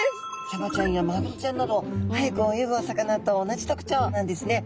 サバちゃんやマグロちゃんなど速く泳ぐお魚と同じ特徴なんですね。